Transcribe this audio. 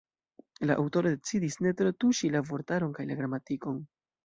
La aŭtoro decidis ne tro tuŝi la vortaron kaj la gramatikon.